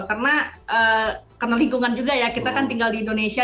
karena lingkungan juga ya kita kan tinggal di indonesia